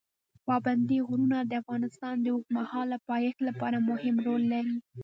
پابندی غرونه د افغانستان د اوږدمهاله پایښت لپاره مهم رول لري.